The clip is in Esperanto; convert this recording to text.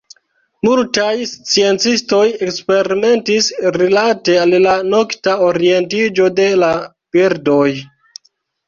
Multaj sciencistoj eksperimentis rilate al la nokta orientiĝo de la birdoj.